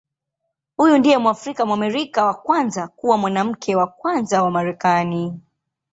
Huyu ndiye Mwafrika-Mwamerika wa kwanza kuwa Mwanamke wa Kwanza wa Marekani.